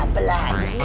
hah benar benar benar